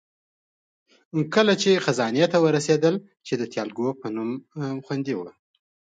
کله چې خزانې ته ورسېدل، چې د تیالکو په نوم خوندي وه.